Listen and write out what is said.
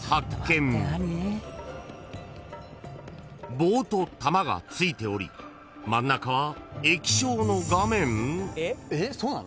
［棒と玉がついており真ん中は液晶の画面？］